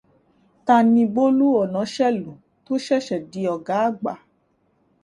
Ta ni Bólú Ọ̀náṣèlú tó ṣẹ̀ṣẹ̀ di ọ̀gá àgbà?